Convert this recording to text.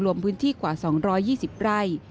รวมพื้นที่กว่า๒๒๐ไร่